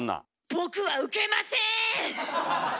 「僕はウケません！」。